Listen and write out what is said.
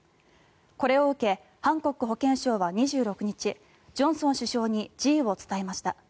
これを受け、ハンコック保健相は２６日ジョンソン首相に辞意を伝えました。